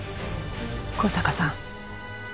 向坂さん。